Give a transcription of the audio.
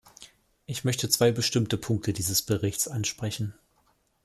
Ich möchte zwei bestimmte Punkte dieses Berichts ansprechen.